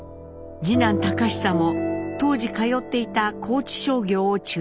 次男隆久も当時通っていた高知商業を中退。